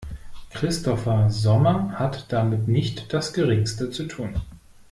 Christopher Sommer hat damit nicht das Geringste zu tun.